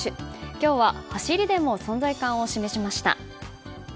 今日は走りでも存在感を示しました。